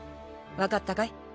分かったかい？